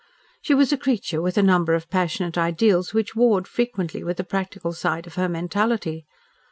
She was a creature with a number of passionate ideals which warred frequently with the practical side of her mentality.